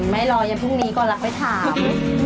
ไม่รออย่างพรุ่งนี้ก้อนรับไปถาม